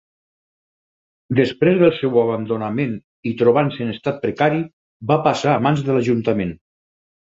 Després del seu abandonament i trobant-se en estat precari, va passar a mans de l'ajuntament.